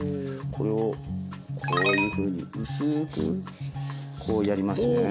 これをこういうふうに薄くこうやりますね。